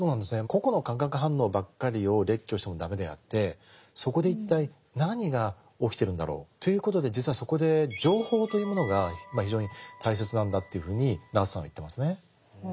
個々の化学反応ばっかりを列挙しても駄目であってそこで一体何が起きてるんだろうということで実はそこで情報というものが非常に大切なんだというふうにナースさんは言ってますね。